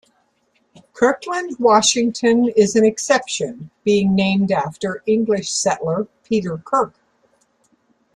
Kirkland, Washington is an exception, being named after English settler Peter Kirk.